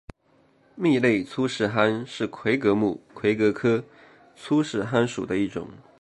密肋粗饰蚶是魁蛤目魁蛤科粗饰蚶属的一种。